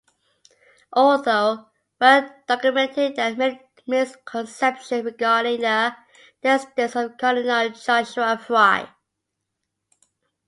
Although well-documented, there are many misconceptions regarding the descendants of Colonel Joshua Fry.